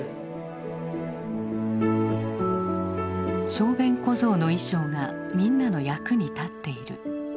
小便小僧の衣装がみんなの役に立っている。